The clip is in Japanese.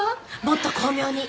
もっと巧妙に。